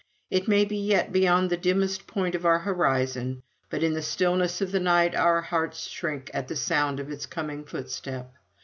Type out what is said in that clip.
It may be yet beyond the dimmest point of our horizon, but in the stillness of the night our hearts shrink at the sound of its coming footstep.